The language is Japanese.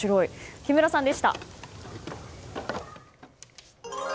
木村さんでした。